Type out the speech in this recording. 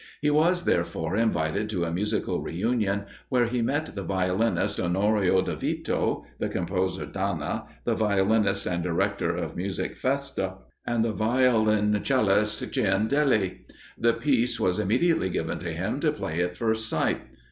He was, therefore, invited to a musical re union, where he met the violinist Onorio de Vito, the composer Danna, the violinist and director of music Festa, and the violoncellist Ciandelli. The piece was immediately given to him to play at first sight.